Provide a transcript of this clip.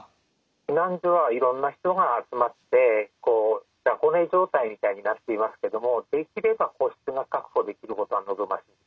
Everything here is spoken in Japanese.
避難所はいろんな人が集まってこう雑魚寝状態みたいになっていますけどもできれば個室が確保できることが望ましいですね。